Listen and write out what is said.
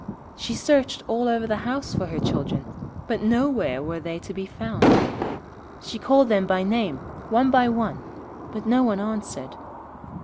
She searched all over the house for her children, but nowhere were they to be found. She called them by name, one by one, but no one answered.